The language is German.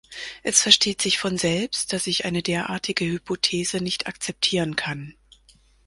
Es versteht sich von selbst, dass ich eine derartige Hypothese nicht akzeptieren kann.